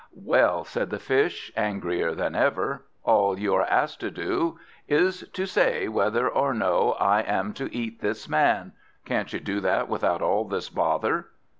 "Well," said the Fish, angrier than ever, "all you are asked to do, is to say whether or no I am to eat this Man. Can't you do that without all this bother?"